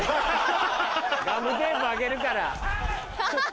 ガムテープあげるから。